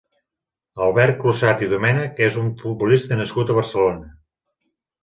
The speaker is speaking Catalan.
Albert Crusat i Domènech és un futbolista nascut a Barcelona.